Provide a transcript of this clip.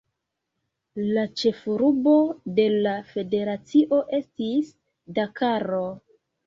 La ĉefurbo de la federacio estis Dakaro.